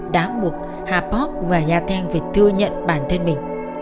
đã buộc hà phúc và nhà thèn phải thừa nhận bản thân mình